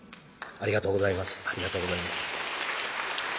ありがとうございます。